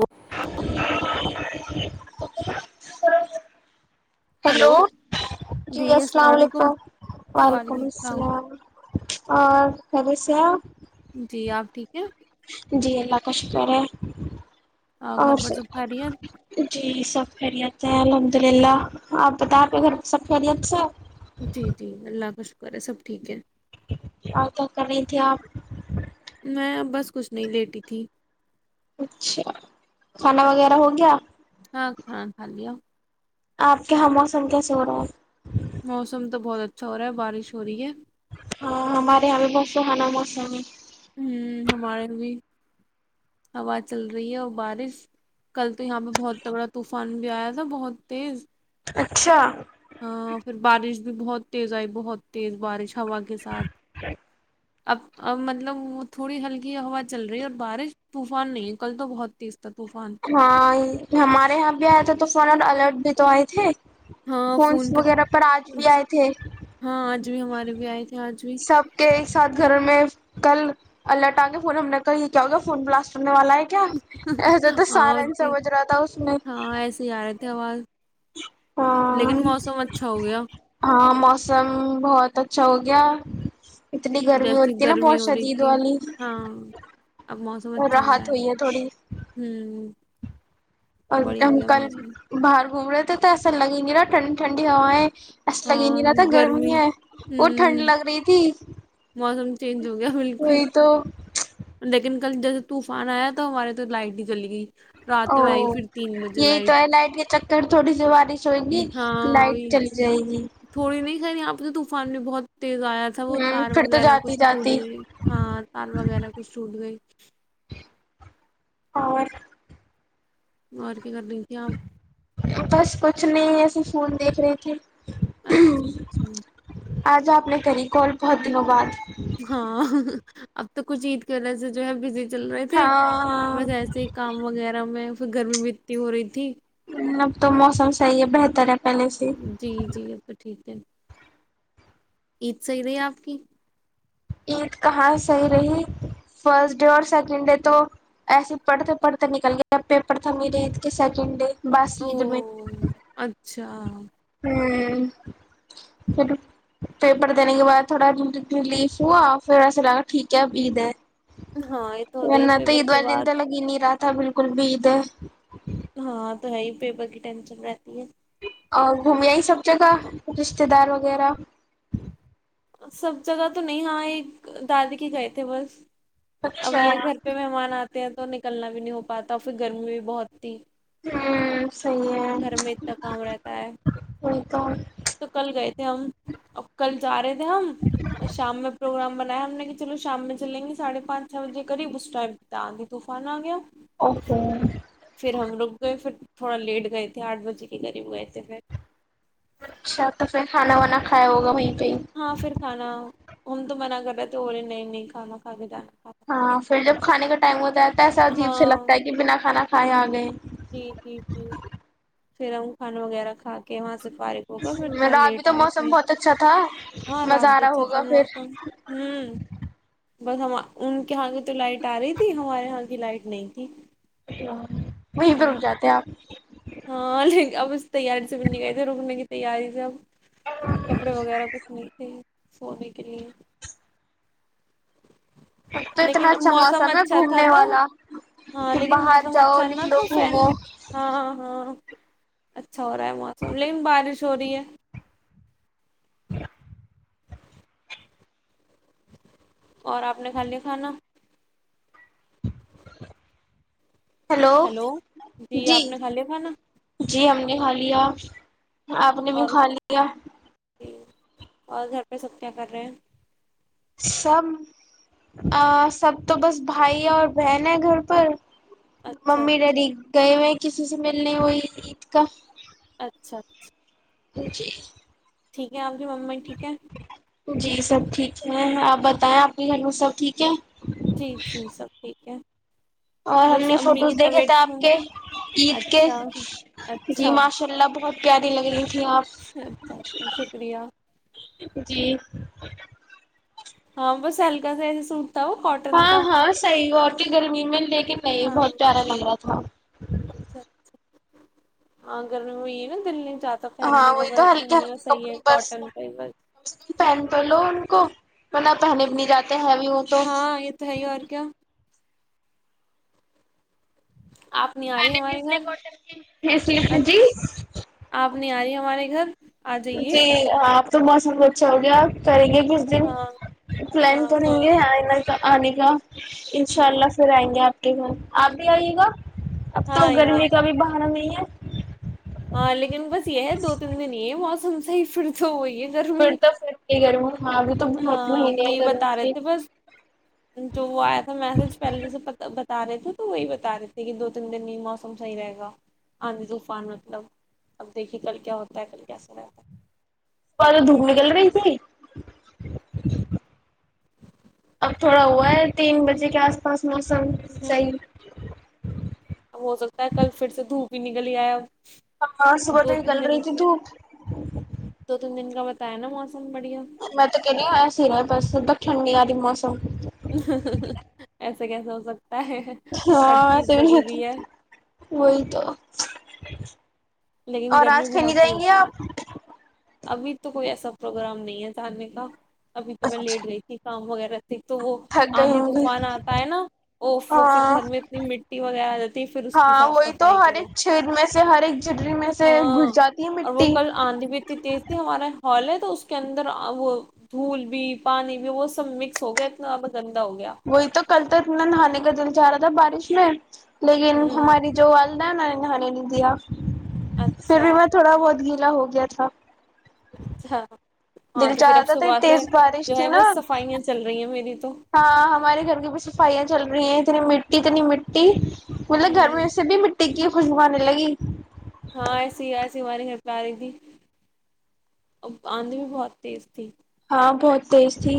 [unintelligible] hello hello جی السلام علیکم وعلیکم السلام اور خبیس جی آپ ٹھیک ہے جی اللہ کا شکر ہے آ، گھر پر اور سب خیریت جی سب خیریت سے الحمد للہ آپ بت آپ کے گھر سب خیریت سے جی جی اللہ کا شکر کرا سب ٹھیک ہے عطا کریں تھے آپ میں اب بس کچھ نہیں لیٹی تھی اچھا کھانا وغیرہ ہو گیا ہاں کھانا کھا لیا آپ کے یہاں موسم کیسے ہو رہا ہے موسم تو بہت اچھا ہو رہا ہے بارش ہو رہی ہے ہاں ہمارے یہاں بھی بسوں کانا موسم ہے ہ ہمارے بھی ہوا چل رہی ہے اور بارش کل تو یہاں پہ بہت تگڑا طوفان بھی آیا تھا بہت تیز اچھا ہاں پھر بارش بھی بہت تز آئی بہت تز بارش ہوا کے ساتھ ابب مطلب وہ تھوڑی ہلکی ہوا چل رہی ہے اور بارش طوفان نہیں ہے کل تو بہت تیز تھا طوفان ہاں ہمارے یہاں بھی آیا تھا تو فن اور الرٹ تو آئے تھے ہاں فون فونس پہ وغیرہ پر آج بھی آئے تھے ہاں آج بھی ہمارے بھی آئے تھے آج بھی سب کے ساتھ گھر میں کل الرٹ آ گے فون ہم نے کا یہ کیا ہوگیا فون بلاسٹ ہونے والا ہے کیا ایسا تو ہاں سہارن س اتنی- بج رہا تھا اس میں ہاں ایسے ہی آ رہے تھے آواز ہاں لیکن موسم اچھا ہو گیا ہاں موسم بہت اچھا ہو یا جیسے گرمی ہو رہی شدید تھی والی ہاں اب موسم اچھا ہو رہا راحت ہے ہوئی تھوڑی ہوں اور بڑھیا ہو ہم گیا کل موسم باہر گھومنے تو اصل لگ گی نہ ٹھنی ٹھڈی ہایں ایسا لگیں گے نہ تھا گرمی ہے اور ٹھنڈ ہوں لگ رہی تھی موسم چینج ہو گیا وہی تو ک جیسے طوفان آیا تو ہمارے تو لائٹ نہیں چلی گئی رات او میں آئی پھر تین بجے یہی تو ہے لائٹ گ ا تھوڑی سی و ہو گی تو ہاں لائٹ وہی چل جائے گی فیملی بہت تیز آیا تھا وہ ہوں تار پھر تو وغیرہ جاتی کچھ ٹوٹ جاتی گئے ہاں تار وغیرہ کچھ ٹوٹ گئی اور اور کیا کردیں گے آپ بس کچھ نہیں ایسے فون دیکھ رہی تھی اچھا اچھا آج آپ نے کری کال بہت دنوں باد ہاں اب تو کچھ عید کرنے سے جو ہے بز چل رہے تھے ہاں بس ایسے ہی کام وغیرہ میں پھر گرمی بھی اتنی ہو رہی تھی اب تو موسم صحیح ہے بہتر ہے پہلے سے جی جی ا تو ٹھیک تل عید صحیح رہی آپ کی عید کہاں صحیح رہی فرسٹ ڈے اور سیکنڈ ڈے تو ایسے پڑھتے پڑھتے نکل گیا پیپر تھا مییرری عید کے سیکنڈ ڈے بس او عید میں اچھا ہوں پھر پیپر دینے کے بعد تھوڑا اتنی لیف ہوا پھر ایسے لگا ٹھیک ہے اب عید ہے ہاں یہ تو ہوتا ہی ہے انت پیپر ایک کے وار دن بعد لگ نہیں راات تھا بالکل بھی اد ہے ہاں تو ہےی پیپر کی ٹینشن رہتی ہے اور گھومیائی سب جگہ رشتتے دار وغیرہ سب جگہ تو نہیں ہاں ایک دادی کے گئے تھے بس اب اچھا یہ گھر پہ مہمان آتے ہیں تو نکلنا بھی نہیں ہو پاتا پھر گرمی بھی بہت تھی ہاں گھر میں اتنا کام رہتا ہے وہی تو تو کل گئے تھے ہم ا کل جا رہے تھے ہم اور شام میں پروگرام بنایا ہم نے کہ چل شام میں چلیں گی ساھے پان چھ بجے کریب اس ائم آی طوفان آ گیا اوکے پھر ہم لوگ گئے پھر تھوڑا لیٹ گئے تھے آٹھ بجے کے قریب گئے تھے پھر اچھا تو پھر کھانا وانا کھایا ہوگا وہیں پہ ہی ہاں پھر کھانا ہمم تو منع کر رہا تو ہو رہے نہیں نہیں کھانا کھاےتا ہاں پھر جب کھانے کا ٹم ہوتا ہے ایسا عجیب سے ہاں لگتا ہے کہ بنا کھانا [inaudible] آ گے جی جی جی پھر ا کھانا وغیرہ کھا کے وہاں سے فارغ ہو کر پھر تھوڑا رات بھی لیٹ تو آئے موسم تھے بہت اچھا تھا ہاں رات بھی مزارا اچھا ہوگا پھر موسم ہوں بس ان کے یہاں کی تو لائٹ آ رہی تھی ہمارے یہاں کی لائٹ نہیں تھی ہ [inaudible] وہیں ادھر ا جاتے آپ ہاں ل اب تیاری سے بھی نکئی تھے رکنے کی تیاری سب کپڑے وغیرہ کچھ نہیں تھے سونے کے لیے تو اتنا لیکن اچھا موسم ہے اچھا تھا گھومنے نا والا ہاں کہ لیکن باہر موسم جاؤ اچھا نکھ نا لو تو فین گھومو ہاں ہاں اچھا اچھا ہو رہا ہے موسم لیکن بارش چھوڑی ہے ج [inaudible] اور آپ نے کھا لیا کھانا ںں [inaudible] ہلو جی آپ نے کھا لے کھانا [inaudible] کھا لیا آپ نے بھی کھا لیا جی اور گھر پہ سب کیا کر رہے ہیں سب سب تو بس بھائی اور بہن ہے گھر پر اچھا ممی ڈیڈی گئے ہوئے کسی سے ملنے ہو عید کا اچھا اچھا جی ٹھیک ہے ہم ما ٹھیک ہے جی سب ٹھیک ہے آپ بتائیں آپ کے گھر میں سب ٹھیک ہے جی جی سب ٹھیک ہے اور ہم بس نے امی فوٹوز کی دیکھے تھے طبیعت آپ میں کے عید کے اچھا جی اچھا ماشاء اللہ بہت کیا ت لگ رہی جی اچھا آپ اچھا شکریہ جی ج ہاں بس سلکا سے سوٹ تھا کاٹن ہاں کا ہاں صحیح اور گرمی میں لے کے کہ نہیں بہت پیارا مگ رہا تھا ہ اگر میں ہوئی نا دلی زیا تو ہاں پہننے کا وہی بس تو ہلکے سننے کا ہلکے صحیح کپڑے ہے بس کاٹن کا کم ہی بس سے کم پہن تو لو ان کون پہنے بھی نہیں جاتے ہیوی ہو تو ہاں یہ تو ہے ہی اور کیا آپ نہیں آ میں رہی نے بھی ہمارے گھر سلگٹر کی ہے سلیٹ اچ- جی آپ نہیں آ رہی ہے ہمارے گھر آ جائیے جی ہ تو موسم کو اچھا ہوگیا آپ کریں گے کچ دن ہاں پلان ہاں کریں گے پروگرام تو آنے کا انشاء ہوں، اللہ پھر آئیں گے آپ م آپ بھی آئیے گا اب ہاں تو آئیں گے گرمی کا بھی بہانا نہیں ہے [unintelligible] ہاں لیکن بس ہے دو تین دن یہ موسم تم سے ہی پھر تو ہو وہی ہے گرمی فتا ف گ م ہاں بھی ہاں یہی بتا رہے تھے بس جو وہ آیا تھا میسج پہلے سے پ بتا رہے تھے تو وہی بتا رہے تھے کہ دو تین دن ہی موسم صحیح رہ گا آندھی طوفان مطلب اب دیکھیے کل کیا ہوتا ہے کل کیسا رہتا ہے سد دھوم نکل پئی ت اب تھوڑا ہوا ہے تین بجے کے آس پاس موسم ہوں، صحیح اب ہو سکتا ہے کل پھر سے دھوپ ہی نکل ہے اب ہاں صبح تو ہی کل رہی تھی تو ہے نا م میں تو کہنی ہویا سا بس بس ٹھنڈیاں موسم ےبب کیسے ہو سکتا ہے ہر ہاں چیز تو نہیں ضروری ہے بول تو تھین لیکن اور گرمی آج کہنی بہت ہی جائیں گے ہوتی ہے آپ ابھی تو کوئی ایسا پروگرام نہیں ہے تھاننے کا ابھی تو میں لیٹ تھک گئی تھی کام وغیرہ د تو وہ گئی آندھی ہوں گی طوفان آتا ہے نا وہ پھر ہاں گھر میں اتنی مٹی وغیرہ آ جاتی ہے پھر اس کی ہاں صاف وہی تو صفائی ہر کرو ایک چھید میں سے ہر ایک جھرری میں سے ہاں گھس جاتی ہے اور وہ مٹی کل آندھی بھی اتنی تیز تھی ہمارا ہال ہے تو اس کے اندر وہ دھول بھی پانی بھی وہ سب مکس ہو گئے ا ا وہئی تو کلتات ن ہانے گ د زیادہ تھار بارش میں لیکن ہوں ہماری جو وال ن ہان د دیا پھر اچھا بھی میں تھوڑا بہت گیا الا ہو گیا تھا اچھا ہاں دل تو چاہ پھر رہا اب تھا صبح سے تیز بارش جو تھی ہے نا بس صفائیاں چل رہی ہیں میری تو ہاں ہمارے گھر کی بھی صفائیاں چل رہی ہیں یہ جنی مٹی ت نہیں مٹی مطلب ہوں گرمی سے بھی کی خوشبنے لگی ہاں ایسی ایسی ہماری ہے باری کی آند بھی بہت تز تھی [inaudible] اں بہت تیز تھی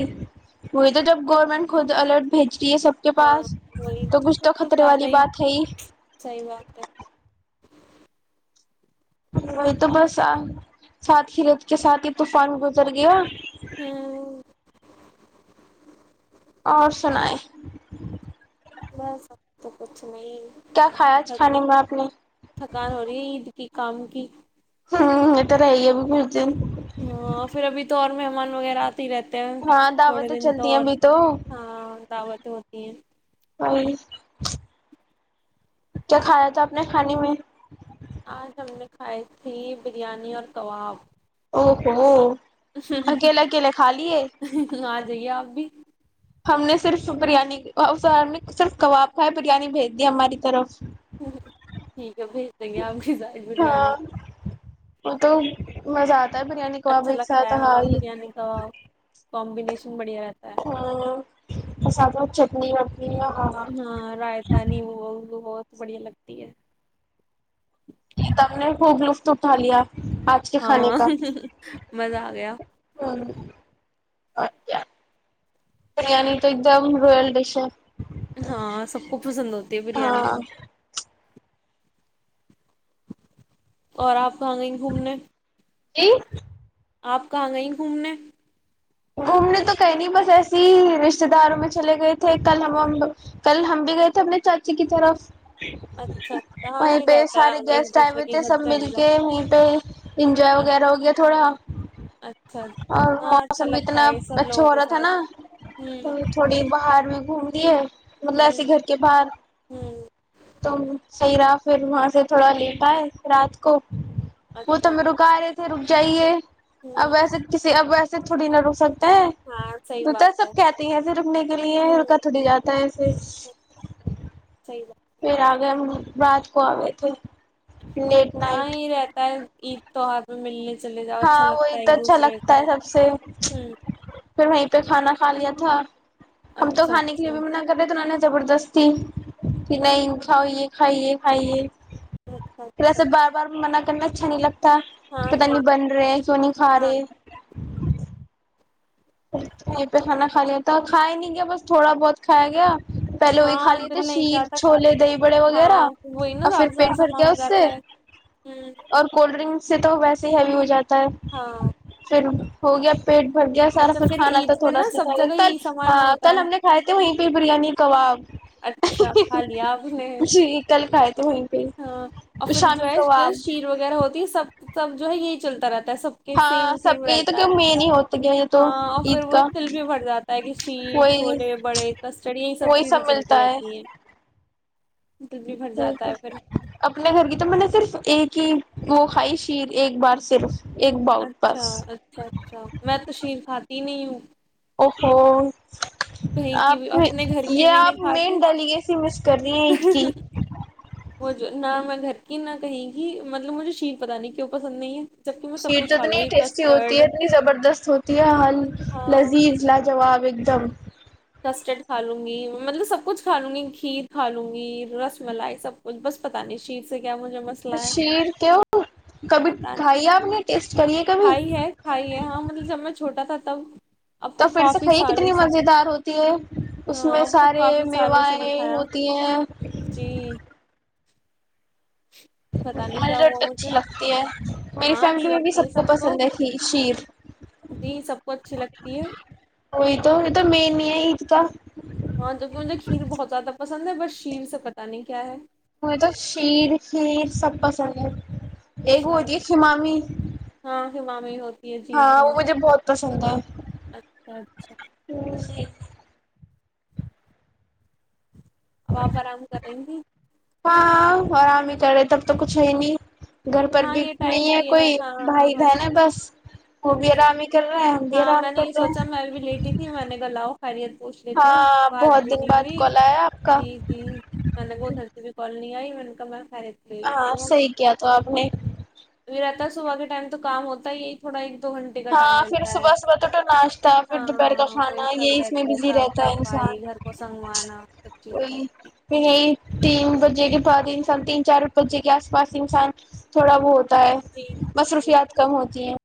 وہی تو جب گورنمنٹ خود الرٹ بھیجی یہ سب کے ہاں پاس وہی تو نا کچھ پھر تو خطرے زیادہ والی بات ہے ہی صحیح بات ہے وہی تو بس ساتھ ہی رت کے ساتھ ہی طوفان گزر گیا ہاں [inaudible] اور سنائ [inaudible] بس تو کچھ [inaudible] کیا کھایا آج تھک کھانے میں آپ نے تھکان ہو رہی ہے عید کی کام کی ہوں ا تو ر یہے بھی بتے ہیں ہاں پھر ابھی تو اور مہمان وغیرہ آتے رہتے ہیں ہاں تھوڑے دعوتیں دن تو چلتی ہیں اور ابھی ہ دعوت ہو ایک [inaudible] ہ [inaudible] کیا کھایا تھا آپ نے کھانے میں آج ہم نے کھائی تھی بریانی اور کباب او ہوو اکیلا اکیلا خا لیے آ جائیے آپ بھی ہم نے صرف بریانی صرف کباب کا ہے بریانی بھیج دی ہماری طرف ٹھیک ہے بھیج دیں گے آپ کی سائ بریانی ہاں مزات [inaudible] تا ہے بریانی کباب اچھا ایک ساتھ ہ ہی کمبیشن ہاں پسد [inaudible] نیویارک [inaudible] ہ ر آائتا نہیںو ہو [inaudible] تو بڑھیا لگتی ہے تم نے وہ گ لفت اٹا لیا [inaudible] کے کھانے ہاں کا مزہ آ گیا اچ برانی تو ایک دم روئل ڈش ہے [inaudible] ہاں سب کو پسند ہوتی ہے بریانی ہاں اور آپ [inaudible] کاںیں گھومنے [inaudible] ج [inaudible] آپ کہاں گئیں گھومنے گھومنے تو کہیں نہیں بس ایسے ہی رشتے داروں میں چلے گئے تھے کل ہم کل ہم بھی گئے تھے اپنے چاچی کی طرف اچھا اچھا ہاں وہیں یہ پہ رہتا سارے ہے ایک گیسٹ آئے دوسرے ہوئے کے تھے گھر سب مل چلی جاؤ کے وہیں پہ انجوائے اچھا وغیرہ ہو گیا تھوڑا اچھا اور ہاں اچھا موسم بھی لگتا اتنا ہے سب اچھا لوگوں ہو کے رہا تھا ساتھ نا ہوں تھوڑی باہر میں گھومتی ہے [unintelligible] مطلب ایسے ہوں گھر کے باہر ہوں توم سی راف پھر وہاں سے تھوڑا لیٹ آئے رات کو [unintelligible] وہ تو اچھا سے رک جائیے [unintelligible] ہوں [unintelligible] [unintelligible] اے ہاں صحیح بات ہے سب کہتے ہیں پھر رکنے کے لیے ہوں روکا تڑاجاتا ہے ایسے صحیح بات پھر آ گیا رات کو آ گئے تھے لیٹ ہاں نائٹ یہی رہتا ہے عید تو آ بھی ملنی ہاں وہی تو اچھا لگتا ہے سب سے ہوں پھر وہیں پہ کھانا کھا لیا تھا ہم تو اچھا کانے کے لیے اچھا بھی منع کر رہےتھے تون نے زبردستی ک نہیں کاائیے کھائیے کھائیے اچھا اچھا پسے بار بار مانا کرنا اچھا نہیں لگ تا ہاں پتا صحیح نہیں بات بند رہے تو نہیں کھا ہاں رہے [inaudible] یہ پہ کھانا کھا لیا تھا کھیا ہی نہیں گیا بس تھوڈا بہت کھایا گیا پہلے وہی کھا ہاں لیے تھے دل نہیں شیر چاہتا چھولے دہی بڑے وغیرہ ہاں وہی نا اور پھر زیادہ سے زیادہ پیٹ بھر سامان گیا ہو اس سے جاتا ہے ہوں اور کولڈ ڈرنک سے تو ویسے ہیوی ہو جت ہاں [unintelligible] ہو گیا پیٹ بھر گیا اچھا پھر کھانا تو عید پہ تھوڑا نا سا سب جگہ ک کل یہی سامان ہ ہوتا کل ہے ہم نے کھائے تھے وہیں پہ بریانی کباب اچھا کھا لیا آپ نے جی کل کائے ہاں اور پھر جو ہے شیر وغیرہ ہوتی ہے سب سب جو ہے یہی چلتا رہتا سب کے سیم ہاں سب سیم کا یہ تو رہتا کہ ہے مین ہی ہوتا گیا یہ تو ہاں اور پھر عید وہ کا دل بھی بھر جاتا ہے کہ شیر وہی چھولے بڑے کسٹڑی یہ سب وہی چیزیں چلتی ملتا ہے رہتی ہیں دل بھی بھر جاتا ہے پھر اپنے گھر کی تو میں نے صرف ایک ہی وہ کھائی شیر ایک بار صرف ایک باؤل اچھا بس اچھا اچھا میں تشیر کھاتی نہیں ہوں اوو کہیں کی آپ بھی اپنے گھر کی یہ بھی آپ نہیں مین کھاتی ڈیلیگیسی مس کر رہی ہیں عید کی وہ جو نہ میں گھر کی نہ کہیں گ مطلب مجھے شیل پت نہیں کیوں پسند نہیں ہے جبکہ میں سب شیر کچھ تو کھا لوں اتنی گی ٹیسٹی ہوتی کسٹرڈ ہے اتنی زبردست ہوتی ہے ہل ہاں لذیذ لاجواب ایک د تم کسٹرڈ کھا لوں گی مطلب سب کچھ کھا لوں گی کھیر کھا لوں گی رس ملائی سب کچھ بس پتہ نہیں شیر سے کیا مجھے مسئلہ ہے شیر کیوں کبھی کھائی آپ نے ٹیسٹ کریے کبھی ہھائی ہے ہھائی ہے ہاں مطلب جب میں چھوٹا تھا سب تو پھر سے کھائیے کتنی مزیدار ہوتی ہے اس ہاں میں اب تو سارے کافی سالوں سے نہیں میوائیں کھایا ہوتی ہیں جی پتا نہیں مجھے کیا ہوا ڈ مجھے اچھی لگتی ہے میری ہاں فیملی اچھی میں بھی لگتی ہے سب سب کو پسند ہے شیر جی سب کو اچھی لگتی ہے وہئی تو تو مین نہیں ہے عید کا ہاں چونکہ مجھے کھیر بہت زیادہ پسند پسند ہے بس شیر سے پتا نہیں کیا ہے مجھیں تو شیر ہیر سب پسند ہے ایکگو ہوتی خمامی جمای ہوتی ہے جی ہاں جی وہ مجھے بہت پسند ہے اچھا اچھا اب آپ آرام کر رہی تھی ہاں آرام کرے تب تو کچھ ہے ہی نہیں گھر پر ہاں بھی یہ ٹائم نہیں تو ہے یہ کوئی ہاں بھائی ہاں ب نا بس وہ بھی اچھا آرام ہی کر رہے ہیں بھی ہاں آرام میں نے کر یہ رہے ہیں سوچا میں ا بھی لیٹی تھی میں نے ہیلو خیریت پوچھ لیتی ہوں ہاں بات بہت بھی دن نہیں بعد ہوئی کال آیا آپ کا جی جی میں لگا ادھر سے بھی کالنیا ہی م نے کاا میں خیریت لے ہاں لیتی ہوں صحیح کیا تو آپ نے ابھی رہتا صبح کے ٹائم تو کام ہوتا ہی ہے تھوڑا ایک دو گھٹے کا ہاں ٹائم لگتا پھر صبح صبح تو تو ناشتہ پھر دوپہر کا وہی کھانا سب یہی اس میں رہتی ہے بزی صاف رہتا ہے انسان صفائی گھر کو سنگوانا سب چیز پ رہتی ہے یہی تین ب ہسان تین چارپ جے کے آس پاس انسان تھوڑا بہت تا ہے جی جی جی مصروفیات کم ہوتی ہیں